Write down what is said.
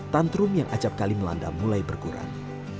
tantrum yang acap kali melanda mulai bergurang